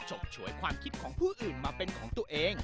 ฉกฉวยความคิดของผู้อื่นมาเป็นของตัวเอง